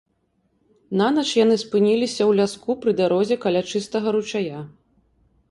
Нанач яны спыніліся ў ляску пры дарозе каля чыстага ручая.